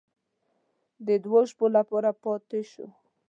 د دوو شپو لپاره پاتې شوو.